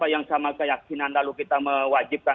yang sama keyakinan lalu kita mewajibkan